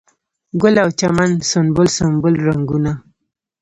ګل او چمن سنبل، سنبل رنګونه